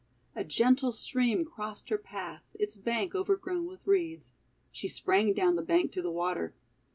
A gentle stream crossed her path, its bank overgrown with reeds. She sprang down the bank to the water.